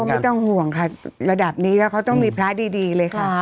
ไม่ต้องห่วงค่ะระดับนี้แล้วเขาต้องมีพระดีเลยค่ะ